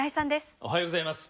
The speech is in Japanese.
おはようございます。